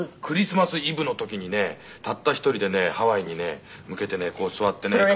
クリスマスイブの時にねたった１人でねハワイに向けてねこう座ってね。